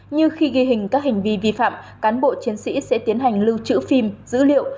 như khi ghi hình các hành vi vi phạm cán bộ chiến sĩ sẽ tiến hành lưu trữ phim dữ liệu